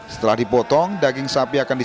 setelah dipotong daging sapi akan disedia